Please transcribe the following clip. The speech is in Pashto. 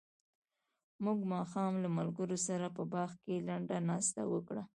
موږ ماښام له ملګرو سره په باغ کې لنډه ناسته وکړه.